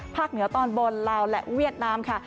เหนือตอนบนลาวและเวียดนามค่ะ